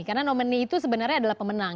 karena nomini itu sebenarnya adalah pemenang